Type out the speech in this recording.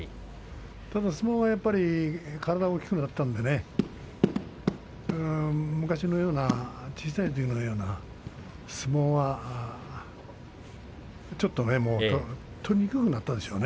ただ相撲は、やっぱり体が大きくなったのでね昔のような小さいときのような相撲はちょっと取りにくくなったでしょうね。